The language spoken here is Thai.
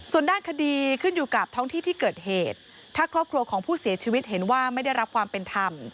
ส่วนด้านคดีขึ้นอยู่กับท้องที่ที่เกิดเหตุถ้าครอบครัวของผู้เสียชีวิตเห็นว่าไม่ได้รับความเป็นธรรม